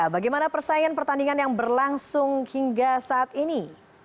bagaimana persaingan pertandingan yang berlangsung hingga saat ini